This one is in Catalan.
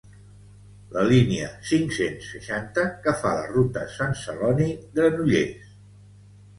La línia cinc-cents seixanta que fa la ruta Sant Celoni-Granollers